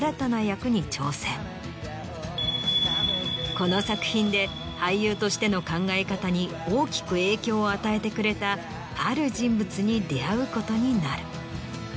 この作品で俳優としての考え方に大きく影響を与えてくれたある人物に出会うことになる。